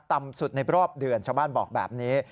ต่ำสุดในรอบเดือนชาวบ้านบอกแบบนี้